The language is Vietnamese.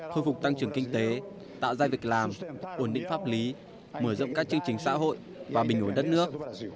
khôi phục tăng trưởng kinh tế tạo ra việc làm ổn định pháp lý mở rộng các chương trình xã hội và bình ổn đất nước